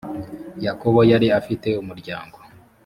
yakobo yari afite umuryango